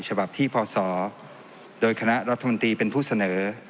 ฉบับที่พศโดยคณะรัฐมนตรีเป็นผู้เสนอ